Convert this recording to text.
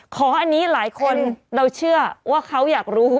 ขออันนี้หลายคนเราเชื่อว่าเขาอยากรู้